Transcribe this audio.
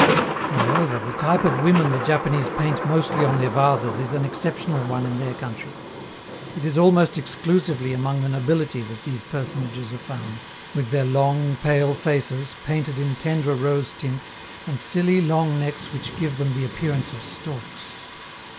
Moreover, the type of women the Japanese paint mostly on their vases is an exceptional one in their country. It is almost exclusively among the nobility that these personages are found, with their long, pale faces, painted in tender rose tints, and silly, long necks which give them the appearance of storks.